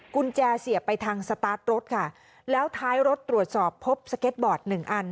กุญแจเสียบไปทางสตาร์ทรถค่ะแล้วท้ายรถตรวจสอบพบสเก็ตบอร์ดหนึ่งอัน